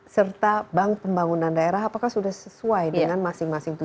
serta bank pembangunan daerah apakah sudah sesuai dengan masing masing tujuan